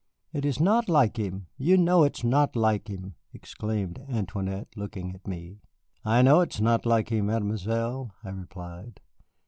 "It is not like him, you know it is not like him," exclaimed Antoinette, looking at me. "I know it is not like him, Mademoiselle," I replied.